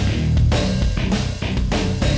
bisa mulai antsi